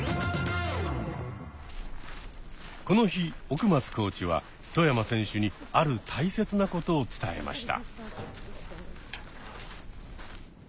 この日奥松コーチは外山選手にある大切なことを伝えました。